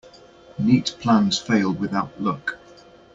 Neat plans fail without luck.